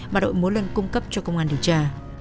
mà đội mỗi lần cung cấp cho công an điều tra